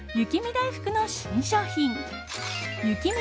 だいふくの新商品雪見